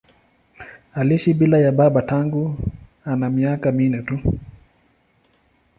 Aliishi bila ya baba tangu ana miaka minne tu.